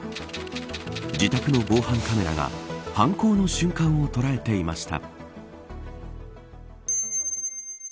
自宅の防犯カメラが犯行の瞬間を捉えていました。